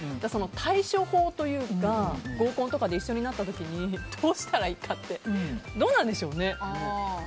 対処法というか合コンとかで一緒になった時にどうしたらいいかってどうなんでしょうね。